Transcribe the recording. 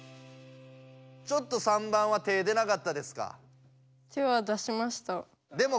ちょっと３番は手出なかったですか？